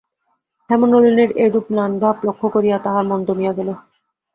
হেমনলিনীর এইরূপ ম্লানভাব লক্ষ্য করিয়া তাঁহার মন দমিয়া গেল।